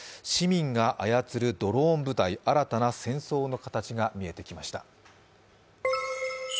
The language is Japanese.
市民が操るドローン部隊新たな戦争の形が見えてきました。